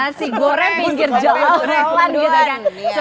nasi goreng pinggir jelang jelang gitu kan